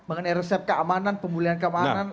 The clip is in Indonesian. mengenai resep keamanan pemulihan keamanan